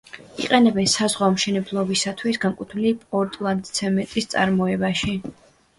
იყენებენ საზღვაო მშენებლობისათვის განკუთვნილი პორტლანდცემენტის წარმოებაში.